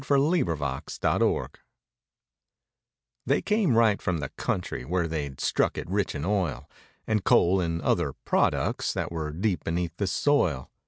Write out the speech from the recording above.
WHEN YOU HAVE THE COIN They came right from the country, where they'd struck it rich in oil And coal and other "products" that were deep be¬ neath the soil.